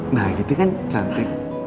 nah gitu kan cantik